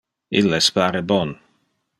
Illes pare bon.